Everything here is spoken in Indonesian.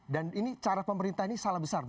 dan ini cara pemerintah ini salah besar